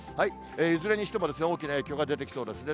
いずれにしても、大きな影響が出てきそうですね。